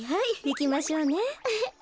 いきましょうね。